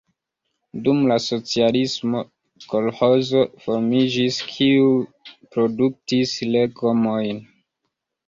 Dum la socialismo kolĥozo formiĝis, kiu produktis legomojn.